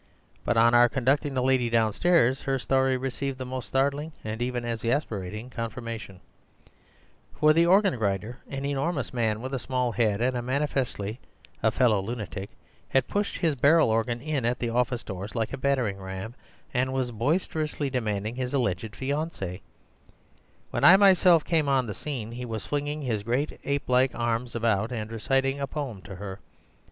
But on our conducting the lady downstairs, her story received the most startling and even exasperating confirmation; for the organ grinder, an enormous man with a small head and manifestly a fellow lunatic, had pushed his barrel organ in at the office doors like a battering ram, and was boisterously demanding his alleged fiancée. When I myself came on the scene he was flinging his great, ape like arms about and reciting a poem to her.